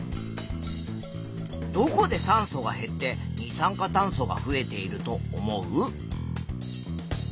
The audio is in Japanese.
どこで酸素は減って二酸化炭素が増えていると思う？